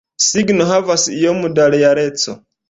Signo havas iom da realeco.